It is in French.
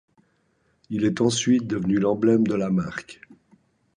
Il est ensuite devenu l’emblème de la marque.